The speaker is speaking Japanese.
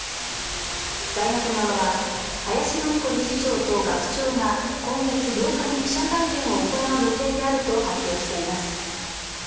大学側は林真理子理事長と学長が今月８日に記者会見を行う予定であると発表しています。